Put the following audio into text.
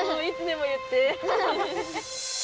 いつでも言って。